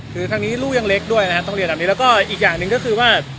คือครั้งนี้ลูกยังเล็กด้วยนะฮะต้องเรียนแบบนี้แล้วก็อีกอย่างหนึ่งก็คือว่า